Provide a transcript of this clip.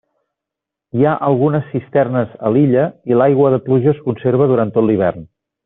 Hi ha algunes cisternes a l'illa i l'aigua de pluja es conserva durant tot l'hivern.